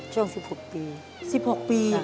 ช่วงสิบหกปี